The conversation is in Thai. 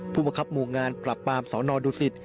ผู้มะครับมูลงานปราบปามสนดุสิต